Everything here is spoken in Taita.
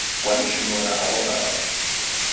Kwanishunua na agho malagho